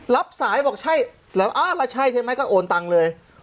รับสายบอกใช่แล้วใช่ใช่ไหมก็โอนตังเลย